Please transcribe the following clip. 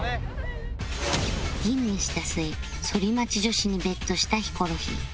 吟味した末反町女子に ＢＥＴ したヒコロヒー